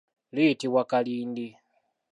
Liyitibwa kalindi.